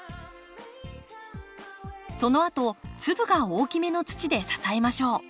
そのあと粒が大きめの土で支えましょう。